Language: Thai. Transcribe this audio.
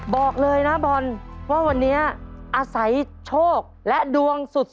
บอกเลยนะบอลว่าวันนี้อาศัยโชคและดวงสุด